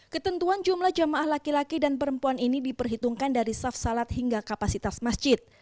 ketentuan jumlah jamaah laki laki dan perempuan ini diperhitungkan dari saf salat hingga kapasitas masjid